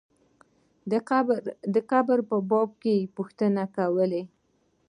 د قبر په باب یې پوښتنې کولې.